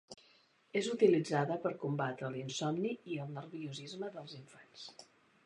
És utilitzada per combatre l'insomni i el nerviosisme dels infants.